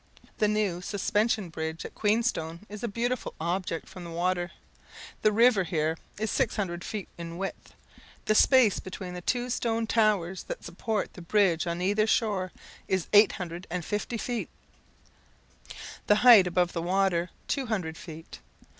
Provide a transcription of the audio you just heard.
The new Suspension Bridge at Queenstone is a beautiful object from the water. The river here is six hundred feet in width; the space between the two stone towers that support the bridge on either shore is eight hundred and fifty feet; the height above the water, two hundred feet.